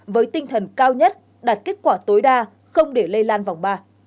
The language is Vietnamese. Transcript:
với tinh thần cao nhất đạt kết quả tối đa không để lây lan vòng ba